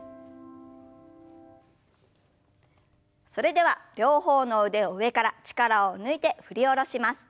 それでは両方の腕を上から力を抜いて振り下ろします。